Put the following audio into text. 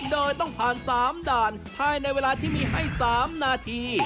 โดยต้องผ่าน๓ด่านภายในเวลาที่มีให้๓นาที